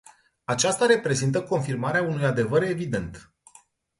Aceasta reprezintă confirmarea unui adevăr evident.